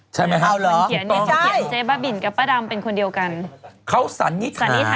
ใช่ไหมครับเขาเขียนเจ๊บ้าบิ่นกับป้าดำเป็นคนเดียวกัน